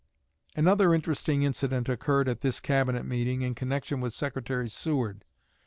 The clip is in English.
Another interesting incident occurred at this Cabinet meeting in connection with Secretary Seward.